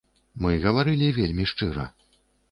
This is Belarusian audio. Мы гаварылі вельмі шчыра.